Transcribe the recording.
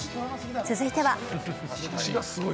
続いては。